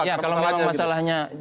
ya kalau memang masalahnya